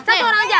satu orang aja